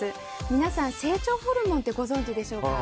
皆さん、成長ホルモンってご存知でしょうか。